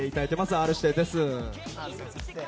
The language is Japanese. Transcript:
Ｒ−指定です。